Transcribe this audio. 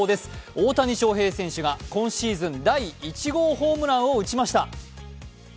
大谷翔平選手が、今シーズン第１号ホームランを打ちました。